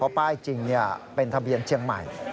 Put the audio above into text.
ป้ายจริงเป็นทะเบียนเชียงใหม่